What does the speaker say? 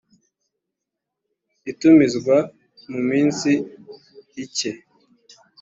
itumizwa mu minsi ike